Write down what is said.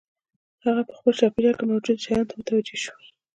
هغه په خپل چاپېريال کې موجودو شيانو ته متوجه شو.